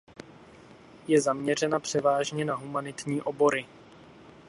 Je zaměřena převážně na humanitní obory.